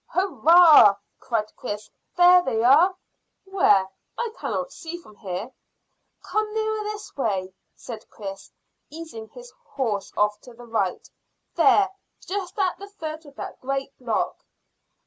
"Hurrah!" cried Chris. "There they are!" "Where? I can't see from here." "Come nearer this way," said Chris, easing his horse off to the right. "There, just at the foot of that great block."